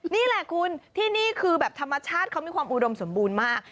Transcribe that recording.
นี่แหละคุณที่นี่คือแบบธรรมชาติเขามีความอุดมสมบูรณ์มาก